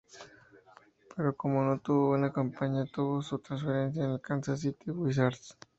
Pero como no tuvo buena campaña, tuvo su transferencia en el Kansas City Wizards.